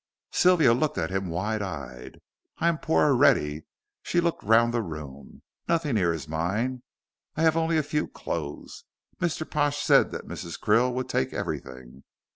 Sylvia looked at him wide eyed. "I am poor already." She looked round the room. "Nothing here is mine. I have only a few clothes. Mr. Pash said that Mrs. Krill would take everything.